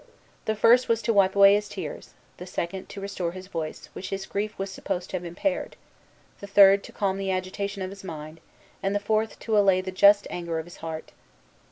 The first was to wipe away his tears; the second, to restore his voice, which his grief was supposed to have impaired; the third, to calm the agitation of his mind; and the fourth, to allay the just anger of his heart.